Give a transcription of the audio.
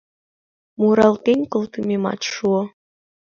Муралтен колтымемат шуо.